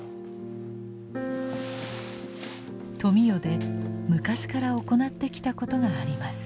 富美代で昔から行ってきたことがあります。